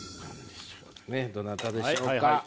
どなたでしょうか。